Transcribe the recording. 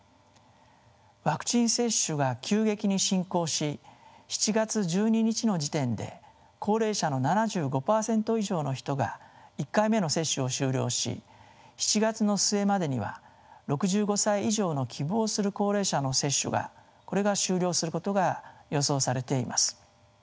ワクチン接種が急激に進行し７月１２日の時点で高齢者の７５％以上の人が１回目の接種を終了し７月の末までには６５歳以上の希望する高齢者の接種がこれが終了することが予想されています。